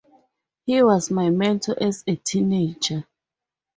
He was my mentor as a teenager.